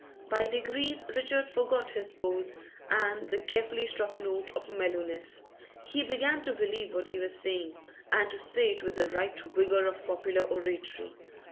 By degrees Richard forgot his pose and the carefully struck note of mellowness; he began to believe what he was saying, and to say it with the right vigour of popular oratory.